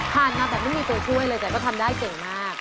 มาแบบไม่มีตัวช่วยเลยแต่ก็ทำได้เก่งมาก